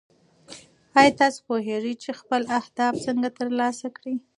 ایا تاسو پوهېږئ چې خپل اهداف څنګه ترلاسه کړئ؟